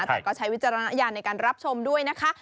แต่ก็ใช้วิจารณญาณในการรับชมด้วยนะคะ